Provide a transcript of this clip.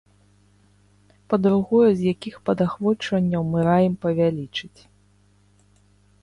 Па-другое, з якіх падахвочванняў мы раім павялічыць.